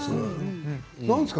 何ですか？